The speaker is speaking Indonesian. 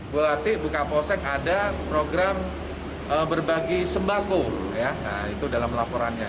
buat hati buka polsek ada program berbagi sembako ya nah itu dalam laporannya